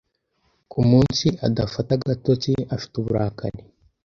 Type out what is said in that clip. Ku munsi adafata agatotsi, afite uburakari.